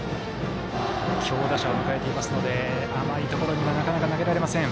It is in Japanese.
強打者を迎えていますので甘いところにはなかなか投げられません。